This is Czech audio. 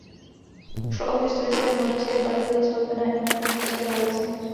Šlo o historické moldavské barvy zastoupené i na rumunské vlajce.